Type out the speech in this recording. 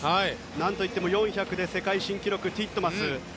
何といっても４００で世界新のティットマス。